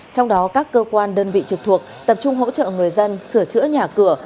trong đó các cơ quan đơn vị trực thuộc tập trung hỗ trợ người dân sửa chữa nhà cửa